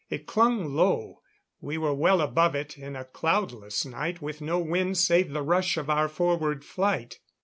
It clung low; we were well above it, in a cloudless night, with no wind save the rush of our forward flight.